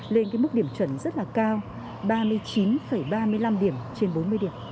lên cái mức điểm chuẩn rất là cao ba mươi chín ba mươi năm điểm trên bốn mươi điểm